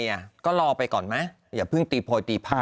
ก็รอไปก่อนไหมอย่าเพิ่งตีโพยตีผ้า